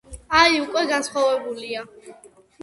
აი, უკვე განსხვავებულია.